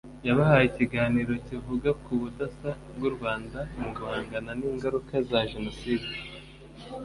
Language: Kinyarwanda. yabahaye ikiganiro kivuga ku budasa bw’u Rwanda mu guhangana n’ingaruka za Jenoside